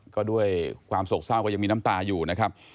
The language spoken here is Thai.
ก็ด้วยความโศกเศร้าก็ยังมีน้ำตาอยู่นะครับ